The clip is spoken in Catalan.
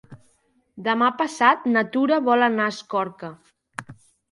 Demà passat na Tura vol anar a Escorca.